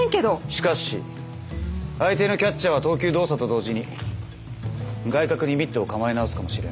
しかし相手のキャッチャーは投球動作と同時に外角にミットを構え直すかもしれない。